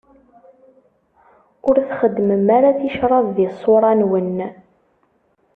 Ur txeddmem ara ticraḍ di ṣṣura-nwen.